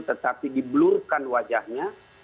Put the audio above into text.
tetapi di blurkan wajahnya